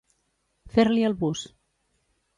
Fer-li el bus.